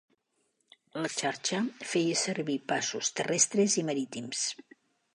La Xarxa feia servir passos terrestres i marítims.